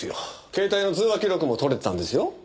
携帯の通話記録も取れてたんですよ？